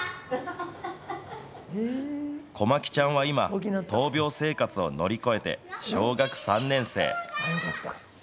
こまきちゃんは今、闘病生活を乗り越えて小学３年生。